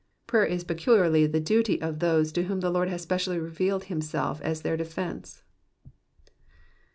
Prayer is peculiarly the duty of those to whom the Lord has specially revealed himself as their defence.